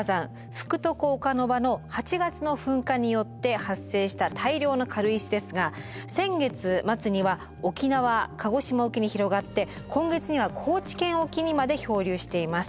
福徳岡ノ場の８月の噴火によって発生した大量の軽石ですが先月末には沖縄鹿児島沖に広がって今月には高知県沖にまで漂流しています。